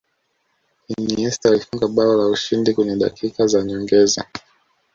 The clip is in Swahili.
iniesta alifunga bao la ushindi kwenye dakika za nyongeza